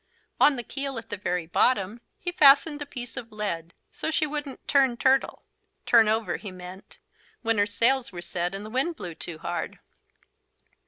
On the keel at the very bottom, he fastened a piece of lead so she wouldn't "turn turtle" turn over, he meant, when her sails were set and the wind blew too hard.